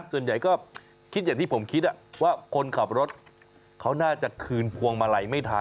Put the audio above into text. ส่วนใหญ่ก็คิดอย่างที่ผมคิดว่าคนขับรถเขาน่าจะคืนพวงมาลัยไม่ทัน